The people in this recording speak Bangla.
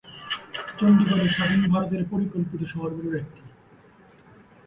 চণ্ডীগড় স্বাধীন ভারতের পরিকল্পিত শহরগুলির একটি।